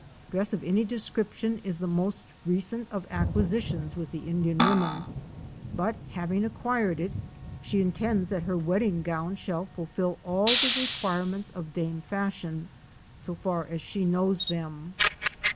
Dress of any description is the most recent of acquisitions with the Indian woman, but having acquired it she intends that her wedding gown shall fulfill all the requirements of Dame Fashion, so far as she knows them.